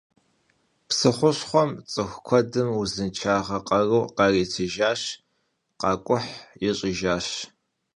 Psı xuşxhuem ts'ıxu kuedım vuzınşşağe, kharu kharitıjjaş, khak'uh yiş'ıjjaş.